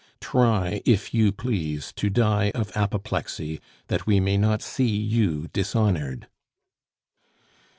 Try, if you please, to die of apoplexy, that we may not see you dishonored."